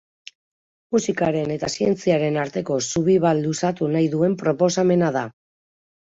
Musikaren eta zientziaren arteko zubi bat luzatu nahi duen proposamena da.